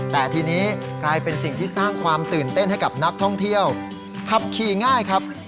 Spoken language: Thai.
แต่ทีนี้กลายเป็นสิ่งที่สร้างความตื่นเต้นให้กับนักท่องเที่ยวขับขี่ง่ายครับ